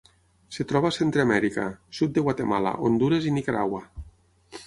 Es troba a Centreamèrica: sud de Guatemala, Hondures i Nicaragua.